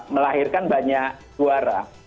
melahirkan banyak suara